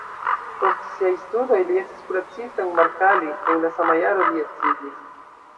Post siaj studoj li estis kuracisto en Marcali, en la sama jaro li edziĝis.